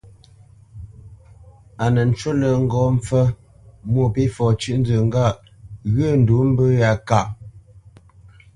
A nə ncú lə́ ŋgó mpfə́ Mwôpéfɔ cʉ́ʼnzə ŋgâʼ ghyə̂ ndǔ mbə̂ yá káʼ.